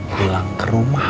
pulang ke rumah